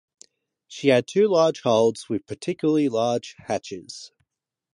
She had two large holds with particularly large hatches.